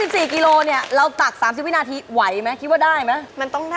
สวัสดีครับ